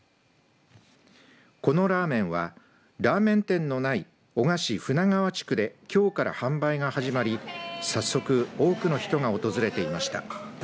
このラーメンはラーメン店のない男鹿市船川地区できょうから販売が始まり早速、多くの人が訪れていました。